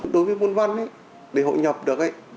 đối với môn văn ấy để hội nhập được ấy